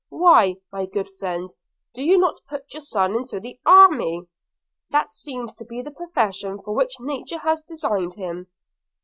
Why, my good friend, do you not put your son into the army? – that seems to be the profession for which nature has designed him.'